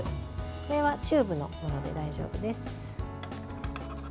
これはチューブのもので大丈夫です。